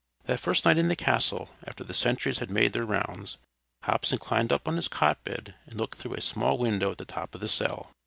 That first night in the castle, after the sentries had made their rounds, Hobson climbed up on his cot bed and looked through a small window at the top of the cell.